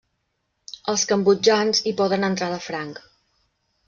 Els cambodjans hi poden entrar de franc.